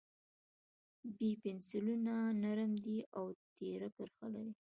B پنسلونه نرم وي او تېره کرښه لري.